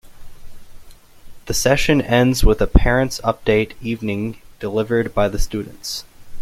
The session ends with a parents update evening- delivered by the students.